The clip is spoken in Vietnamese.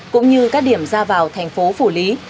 cũng như các điểm ra vào thành phố phủ lý